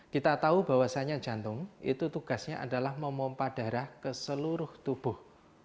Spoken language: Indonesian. kita tahu bahwasannya jantung itu tugasnya adalah memompah darah ke seluruh tubuh